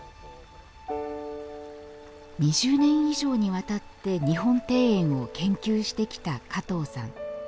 ２０年以上にわたって日本庭園を研究してきた加藤さん。